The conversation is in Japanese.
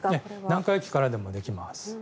何回忌からでもできます。